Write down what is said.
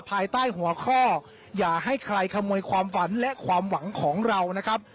ภายใต้หัวข้ออย่าให้ใครขโมยความฝันและความหวังของเรานะครับ